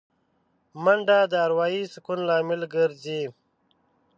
منډه د اروايي سکون لامل ګرځي